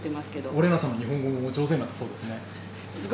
オレーナさんも日本語、上手になったそうですね。